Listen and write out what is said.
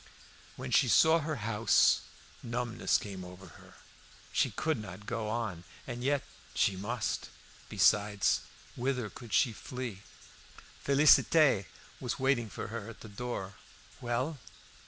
When she saw her house a numbness came over her. She could not go on; and yet she must. Besides, whither could she flee? Félicité was waiting for her at the door. "Well?"